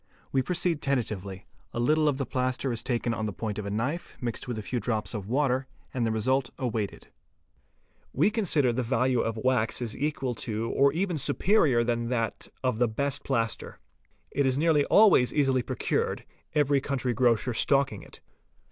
We proceed tentatively; a little of the plaster is taken on the point of a knife, mixed with a few drops of water, and the result awaited. We consider that the value of wax is equal to or even superior to that of the best plaster. It is nearly always easily procured, every country grocer stocking it.